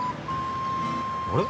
あれ？